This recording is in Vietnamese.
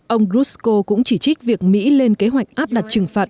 ông grushko cũng chỉ trích việc mỹ lên kế hoạch áp đặt trừng phạt